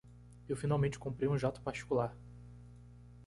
Eu finalmente comprei um jato particular.